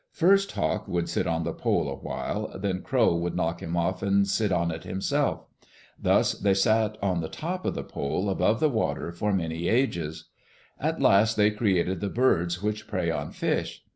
First Hawk would sit on the pole a while, then Crow would knock him off and sit on it himself. Thus they sat on the top of the pole above the water for many ages. At last they created the birds which prey on fish.